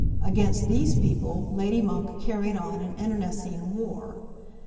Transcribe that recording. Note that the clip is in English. Against these people Lady Monk carried on an internecine war.